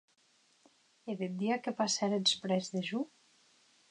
E deth dia que passéretz près de jo?